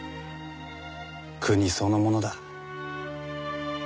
国そのものだ。